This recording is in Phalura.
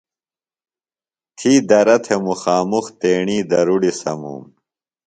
تھی درہ تھہ مُخامُخ تیݨی درُڑیۡ سموم۔